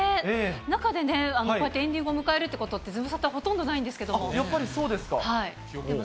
中でこうやってエンディングを迎えるってこと、ズムサタほとんどないんですけれども。